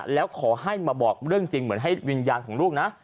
แล้วขอให้มาบอกเรื่องจริงเหมือนให้วิญญาณของลูกนะ